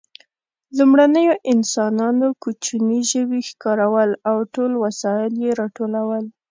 لومړنیو انسانانو کوچني ژوي ښکارول او ټول وسایل یې راټولول.